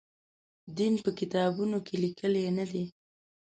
دین په کتابونو کې لیکلي نه دی.